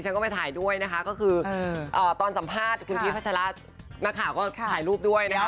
ฉันก็ไปถ่ายด้วยนะคะก็คือตอนสัมภาษณ์คุณพิพัชราชนะคะก็ถ่ายรูปด้วยนะคะ